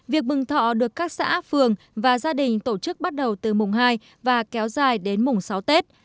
việc mừng thọ được các xã phường và gia đình tổ chức bắt đầu từ mùng hai và kéo dài đến mùng sáu tết